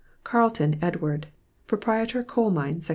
CHARLTON EDWARD, Prop'r Coal Mine, Sec.